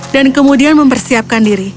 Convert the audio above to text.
dan kemudian mempersiapkan diri